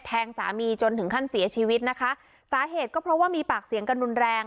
สามีจนถึงขั้นเสียชีวิตนะคะสาเหตุก็เพราะว่ามีปากเสียงกันรุนแรง